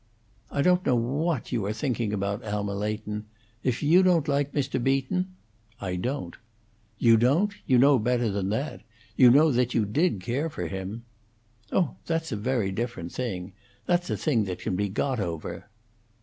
"I don't know what you are thinking about, Alma Leighton. If you don't like Mr. Beaton " "I don't." "You don't? You know better than that. You know that, you did care for him." "Oh! that's a very different thing. That's a thing that can be got over."